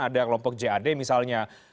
ada kelompok jad misalnya